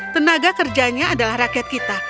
tenaga kerjanya adalah rakyat kita